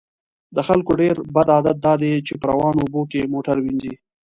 د خلکو ډیر بد عادت دا دی چې په روانو اوبو کې موټر وینځي